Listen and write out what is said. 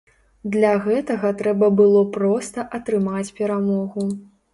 Для гэтага трэба было проста атрымаць перамогу.